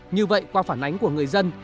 như vậy qua phản ánh của người dân